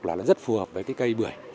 là nó rất phù hợp với cái cây bưởi